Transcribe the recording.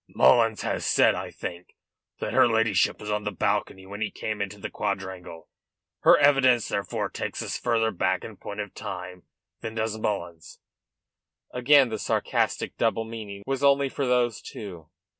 "Mullins has said, I think, that her ladyship was on the balcony when he came into the quadrangle. Her evidence therefore, takes us further back in point of time than does Mullins's." Again the sarcastic double meaning was only for those two.